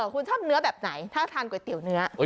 คุณชอบเนื้อแบบไหนถ้าทานก๋วยเตี๋ยวเนื้อ